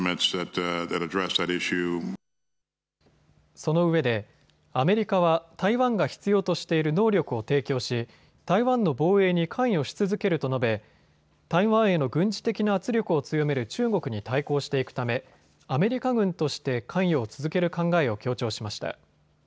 そのうえでアメリカは台湾が必要としている能力を提供し、台湾の防衛に関与し続けると述べ台湾への軍事的な圧力を強める中国に対抗していくためアメリカ軍として関与を続ける考えを強調しました。